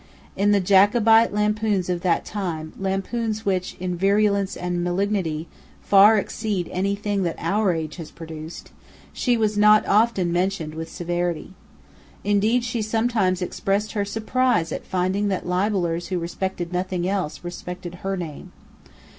In the Jacobite lampoons of that time, lampoons which, in virulence and malignity, far exceed any thing that our age has produced, she was not often mentioned with severity. Indeed she sometimes expressed her surprise at finding that libellers who respected nothing else respected her name.